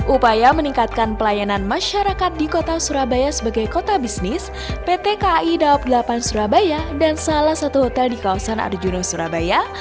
upaya meningkatkan pelayanan masyarakat di kota surabaya sebagai kota bisnis pt kai daob delapan surabaya dan salah satu hotel di kawasan arjuna surabaya